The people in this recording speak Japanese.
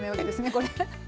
これ。